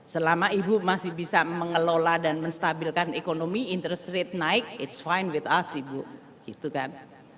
selama ibu masih bisa mengelola dan menstabilkan ekonomi interest rate naik it's fine with us